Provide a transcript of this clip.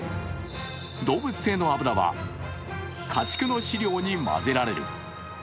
動物性の油は、家畜の飼料に混ぜられる。